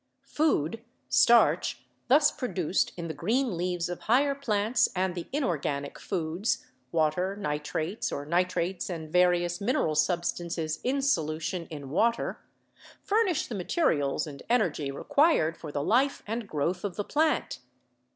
Food (starch) thus produced in the green leaves of higher plants and the inorganic foods (water, nitrites or nitrates and various mineral substances in solution in water) furnish the materials and energy required for the life and growth of the plant.